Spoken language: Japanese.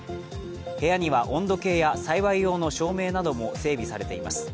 部屋には温度計や栽培用の照明なども整備されています。